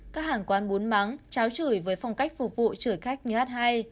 các hàng quán bún mắng cháo chửi với phong cách phục vụ chửi khách như hát hay